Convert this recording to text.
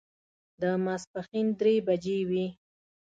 د ماسپښین درې بجې وې.